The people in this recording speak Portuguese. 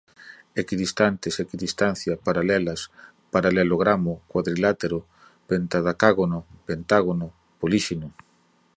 equidistantes, equidistância, paralelas, paralelogramo, quadrilátero, pentadacágono, pentágono, polígino